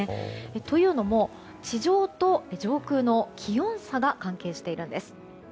というのも、地上と上空の気温差が関係してるんです。